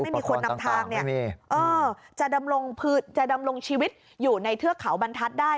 อุปกรณ์ต่างไม่มีเออจะดำรงชีวิตอยู่ในเทือกเขาบรรทัศน์ได้